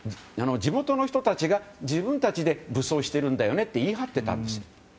地元の人たちが、自分たちで武装してるんだよねって言い張っていたんです。